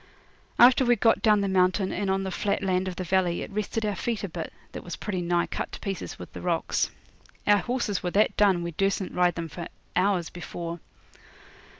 After we'd got down the mountain and on the flat land of the valley it rested our feet a bit, that was pretty nigh cut to pieces with the rocks. Our horses were that done we dursn't ride 'em for hours before.